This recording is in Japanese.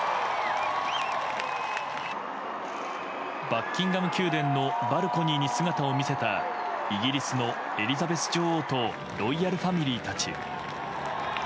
バッキンガム宮殿のバルコニーに姿を見せたイギリスのエリザベス女王とロイヤルファミリーたち。